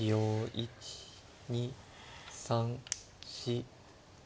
１２３４。